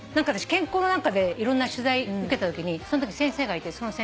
健康の何かでいろんな取材受けたときにそんとき先生がいて。